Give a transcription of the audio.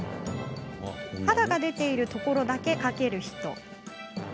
肌が出ているところだけかける人。